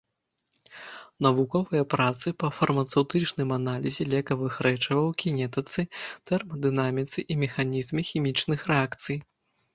Навуковыя працы па фармацэўтычным аналізе лекавых рэчываў, кінетыцы, тэрмадынаміцы і механізме хімічных рэакцый.